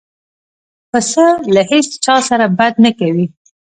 پسه له هیڅ چا سره بد نه کوي.